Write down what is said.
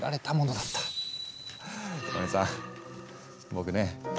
僕ね